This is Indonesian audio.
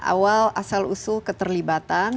awal asal usul keterlibatan